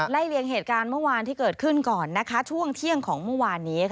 เลียงเหตุการณ์เมื่อวานที่เกิดขึ้นก่อนนะคะช่วงเที่ยงของเมื่อวานนี้